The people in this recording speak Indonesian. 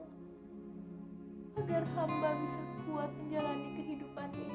agar hamba bisa kuat menjalani kehidupan ini ya allah